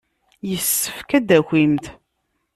Yessefk ad d-takimt.